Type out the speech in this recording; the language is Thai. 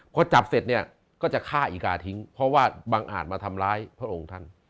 พอจับเสร็จเนี่ยก็จะฆ่าอีกาทิ้งเพราะว่าบังอาจมาทำร้ายพระองค์ท่าน